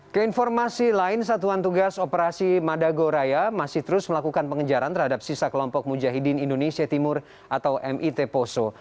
keinformasi lain satuan tugas operasi madagoraya masih terus melakukan pengejaran terhadap sisa kelompok mujahidin indonesia timur atau mit poso